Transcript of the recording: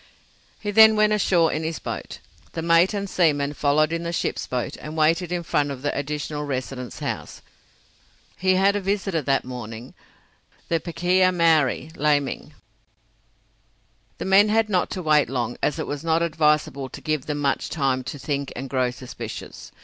He then went ashore in his boat. The mate and seamen followed in the ship's boat, and waited in front of the Additional Resident's house. He had a visitor that morning, the Pakeha Maori, Laming. The men had not to wait long, as it was not advisable to give them much time to think and grow suspicious.